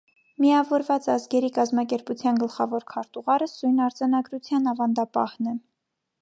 Միավորված ազգերի կազմակերպության գլխավոր քարտուղարը սույն արձանագրության ավանդապահն է: